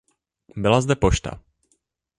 Byla zde pošta.